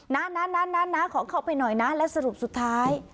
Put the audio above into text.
นั้นขอเข้าไปหน่อยและสรุปสุดท้าย